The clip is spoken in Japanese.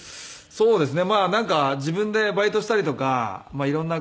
そうですね。